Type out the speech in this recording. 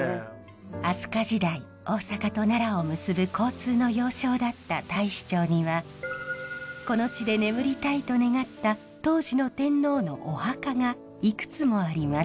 飛鳥時代大阪と奈良を結ぶ交通の要衝だった太子町にはこの地で眠りたいと願った当時の天皇のお墓がいくつもあります。